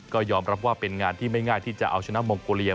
ก็ยอมรับว่าเป็นงานที่ไม่ง่ายที่จะเอาชนะมองโกเลีย